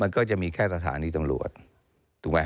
มันก็จะมีแค่สถานีตำรวจถูกไหม